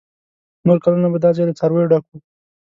نور کلونه به دا ځای له څارویو ډک و.